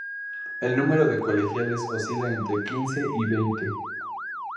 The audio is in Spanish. El número de colegiales oscila entre quince y veinte.